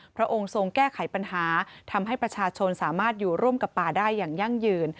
พระองค์ทรงแก้ไขปัญหาทำให้ประชาชนสามารถอยู่ร่วมกับป่าได้อย่างยั่งยืน